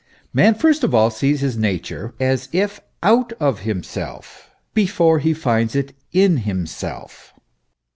Man first of all sees his nature as if out of himself, before he finds it in himself.